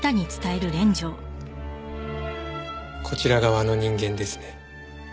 こちら側の人間ですね。